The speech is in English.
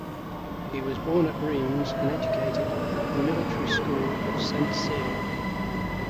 He was born at Reims and educated at the Military School of Saint Cyr.